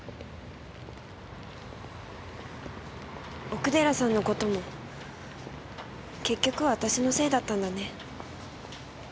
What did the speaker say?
奥寺さんの事も結局は私のせいだったんだね。